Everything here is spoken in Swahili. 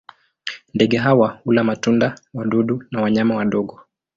Ndege hawa hula matunda, wadudu na wanyama wadogo.